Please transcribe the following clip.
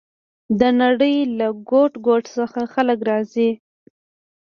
د نړۍ له ګوټ ګوټ څخه خلک راځي.